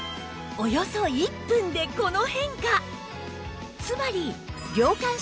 およそ１分でこの変化！